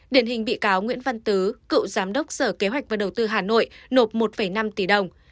điển hình bị cáo nguyễn văn tứ cựu giám đốc sở kế hoạch và đầu tư hà nội nộp một năm tỷ đồng